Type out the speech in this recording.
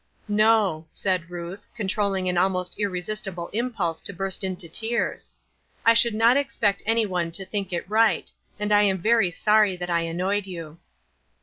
"No," said Ruth, controlling an almost irresist ible impulse to burst into tears ;" I should not 92 SLIPPERY GROUND. expect any one to think it right, and I am very sorry that I annoyed you."